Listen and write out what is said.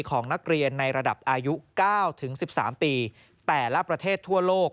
ของนักเรียนในระดับอายุ๙๑๓ปีแต่ละประเทศทั่วโลก